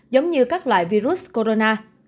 giống như các loại virus corona